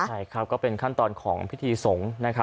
ใช่ครับก็เป็นขั้นตอนของพิธีสงฆ์